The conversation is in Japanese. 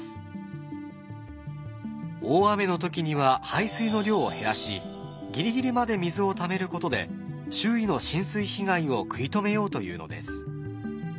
大雨の時には排水の量を減らしギリギリまで水をためることで周囲の浸水被害を食い止めようというのです。